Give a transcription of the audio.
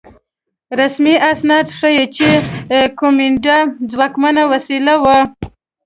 رسمي اسناد ښيي چې کومېنډا ځواکمنه وسیله وه.